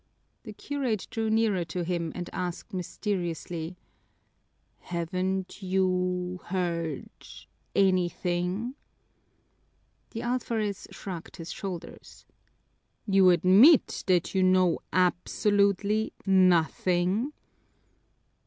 The curate drew nearer to him and asked mysteriously, "Haven't you heard anything?" The alferez shrugged his shoulders. "You admit that you know absolutely nothing?"